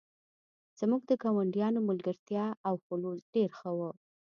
زموږ د ګاونډیانو ملګرتیا او خلوص ډیر ښه و